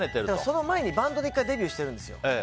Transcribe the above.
その前にバンドで１回デビューしてるんですよ。